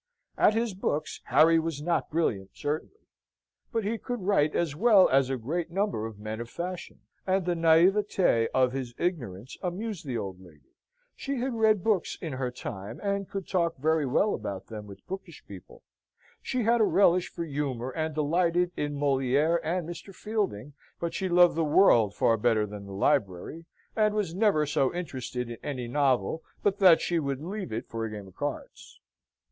At his books Harry was not brilliant certainly; but he could write as well as a great number of men of fashion; and the naivete of his ignorance amused the old lady. She had read books in her time, and could talk very well about them with bookish people: she had a relish for humour and delighted in Moliere and Mr. Fielding, but she loved the world far better than the library, and was never so interested in any novel but that she would leave it for a game of cards.